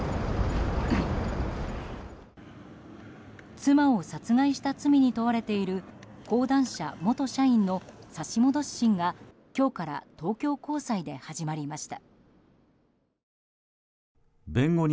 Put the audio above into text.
妻を殺害した罪に問われている講談社元社員の差し戻し審が今日から東京高裁で始まりました。